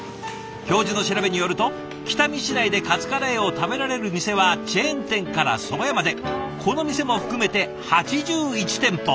教授の調べによると北見市内でカツカレーを食べられる店はチェーン店からそば屋までこの店も含めて８１店舗。